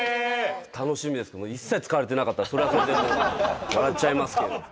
楽しみですけども一切使われてなかったらそれはそれで笑っちゃいますけど。